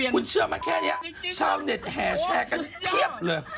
คุณเชื่อมาแค่นี้ชาวเน็ตแห่แชร์กันเพียบเลย